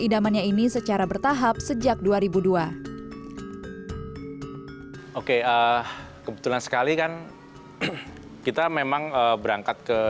idamannya ini secara bertahap sejak dua ribu dua oke kebetulan sekali kan kita memang berangkat ke